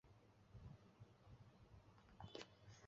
赛义德王朝是德里苏丹国第四个王朝。